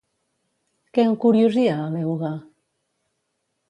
Què encuriosia a l'euga?